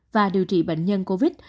và điều trị bệnh nhân covid